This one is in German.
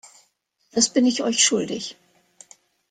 Das bin ich euch schuldig.